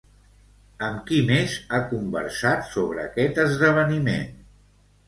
Amb qui més ha conversat sobre aquest esdeveniment?